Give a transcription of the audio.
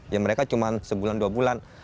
ya mereka cuma sebulan dua bulan